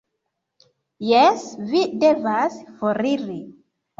Jes, vi devas foriri